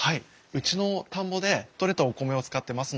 うちの田んぼで取れたお米を使ってますので。